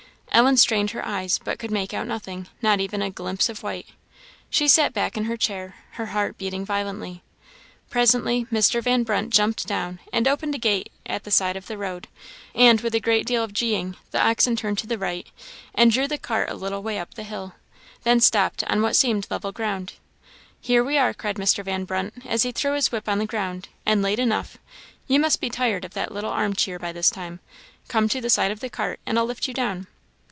Ellen strained her eyes, but could make out nothing not even a glimpse of white. She sat back in her chair, her heart beating violently. Presently Mr. Van Brunt jumped down and opened a gate at the side of the road; and with a great deal of "gee" ing the oxen turned to the right, and drew the cart a little way up hill then stopped on what seemed level ground. "Here we are!" cried Mr. Van Brunt, as he threw his whip on the ground "and late enough! You must be tired of that little arm cheer by this time. Come to the side of the cart, and I'll lift you down."